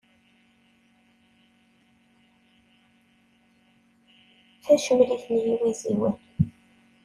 Tacemlit n yiwiziwen.